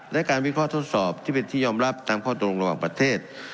และการวิเคราะห์ทดสอบที่เป็นที่ยอมรับตามข้อตรงระหว่างประเทศ